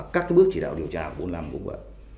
các bước chỉ đạo điều tra vốn làm vốn vậy